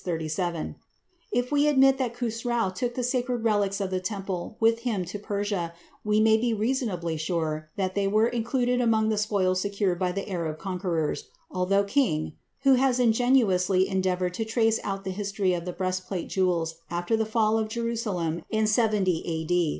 If we admit that Khusrau took the sacred relics of the Temple with him to Persia, we may be reasonably sure that they were included among the spoils secured by the Arab conquerors, although King, who has ingeniously endeavored to trace out the history of the breastplate jewels after the fall of Jerusalem in 70 A.D.